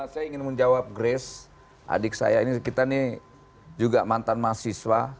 saya ingin menjawab grace adik saya ini kita nih juga mantan mahasiswa